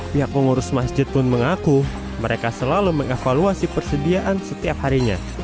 pihak pengurus masjid pun mengaku mereka selalu mengevaluasi persediaan setiap harinya